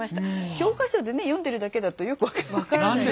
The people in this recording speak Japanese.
教科書でね読んでるだけだとよく分からないから。